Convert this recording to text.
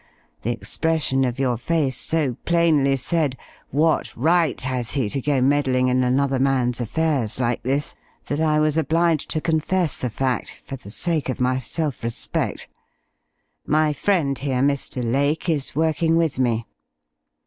The expression of your face so plainly said, 'What right has he to go meddling in another man's affairs like this?' that I was obliged to confess the fact, for the sake of my self respect. My friend here, Mr. Lake, is working with me."